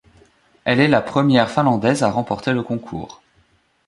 Elle est la première finlandaise à remporter le concours.